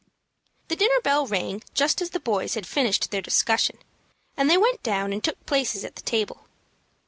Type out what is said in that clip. The dinner bell rang just as the boys had finished their discussion, and they went down and took places at the table.